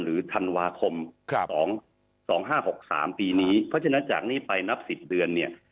หรือธันวาคมครับสองสองห้าหกสามปีนี้เพราะฉะนั้นจากนี้ไปนับสิบเดือนเนี่ย